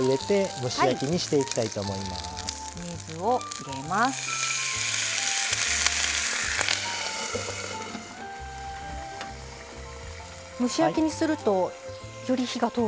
蒸し焼きにするとより火が通るんですか？